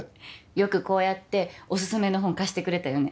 よくこうやってオススメの本貸してくれたよね